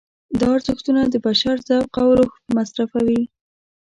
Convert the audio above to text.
دا ارزښتونه د بشر ذوق او روح مصرفوي.